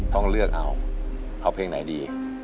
ต้องเลือกเอาเอาเพลงไหนดี